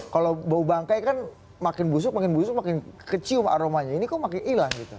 kalau bau bangkai kan makin busuk makin busuk makin kecium aromanya ini kok makin hilang gitu